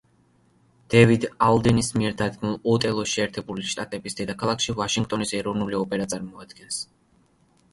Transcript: დევიდ ალდენის მიერ დადგმულ „ოტელოს“ შეერთებული შტატების დედაქალაქში ვაშინგტონის ეროვნული ოპერა წარმოადგენს.